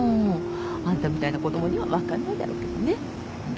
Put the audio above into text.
あんたみたいな子供には分かんないだろうけどね。